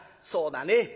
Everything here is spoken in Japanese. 「そうだね。